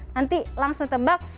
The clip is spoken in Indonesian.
nanti langsung tebak